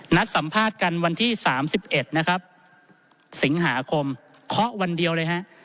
สัมภาษณ์กันวันที่๓๑นะครับสิงหาคมเคาะวันเดียวเลยฮะ